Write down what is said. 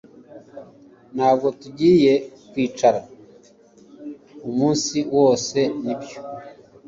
Ntabwo tugiye kwicara umunsi wose nibyo